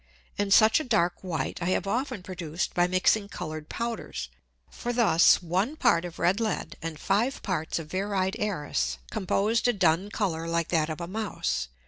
And such a dark white I have often produced by mixing colour'd Powders. For thus one Part of red Lead, and five Parts of Viride Æris, composed a dun Colour like that of a Mouse.